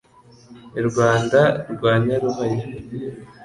I Rwanda rwa Nyarubaya.